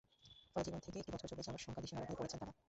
ফলে জীবন থেকে একটি বছর চলে যাওয়ার শঙ্কায় দিশেহারা হয়ে পড়েছেন তাঁরা।